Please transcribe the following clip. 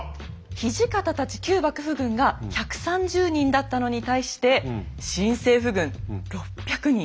土方たち旧幕府軍が１３０人だったのに対して新政府軍６００人。